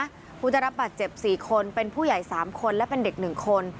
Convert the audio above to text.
ทุกคนขับเลยนะผู้จะรับบาดเจ็บ๔คนเป็นผู้ใหญ่๓คนและเป็นเด็ก๑คน